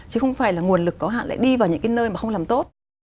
chứ không phải là nguồn lực có hạn lại đi vào những cái nơi mà không làm tốt